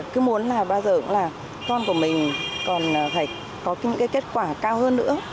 cứ muốn là bao giờ cũng là con của mình còn phải có những cái kết quả cao hơn nữa